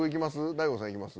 大悟さん行きます？